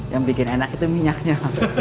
yang bikin enak itu minyaknya